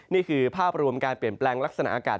นี่คือภาพรวมการเปลี่ยนแปลงลักษณะอากาศ